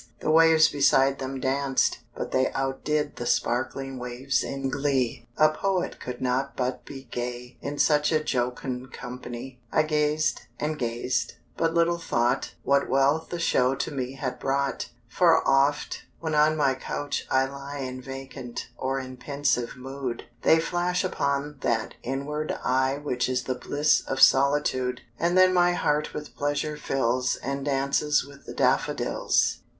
The waves beside them danced, but they Out did the sparkling waves in glee: A Poet could not but be gay In such a jocund company! I gazed and gazed but little thought What wealth the show to me had brought; For oft, when on my couch I lie In vacant or in pensive mood, They flash upon that inward eye Which is the bliss of solitude; And then my heart with pleasure fills, And dances with the daffodils.